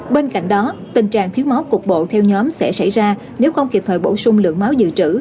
bên cạnh đó tình trạng thiếu máu cục bộ theo nhóm sẽ xảy ra nếu không kịp thời bổ sung lượng máu dự trữ